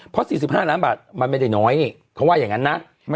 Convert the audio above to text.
เพราะ๔๕ล้านบาทมันไม่ได้น้อยนี่เขาว่าอย่างนั้นนะ